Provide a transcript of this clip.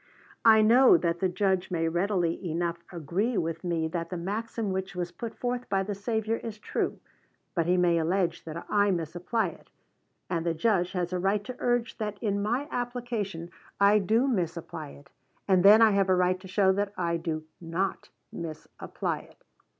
I know that the Judge may readily enough agree with me that the maxim which was put forth by the Savior is true, but he may allege that I misapply it; and the Judge has a right to urge that in my application I do misapply it, and then I have a right to show that I do not misapply it.